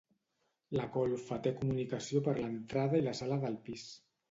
La golfa té comunicació per l'entrada i la sala del pis.